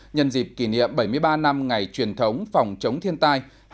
nhân dịp kỷ niệm bảy mươi ba năm ngày truyền thống phòng chống thiên tai